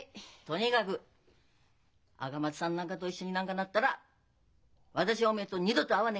にがく赤松さんなんかと一緒になんがなっだら私はおめえと二度と会わねえがんな！